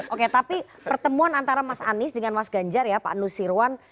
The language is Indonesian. oke tapi pertemuan antara mas anies dengan mas ganjar ya pak nusirwan